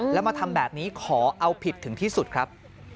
แล้วมาทำแบบนี้ขอเอาผิดถึงที่สุดครับ